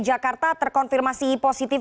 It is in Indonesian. jakarta terkonfirmasi positif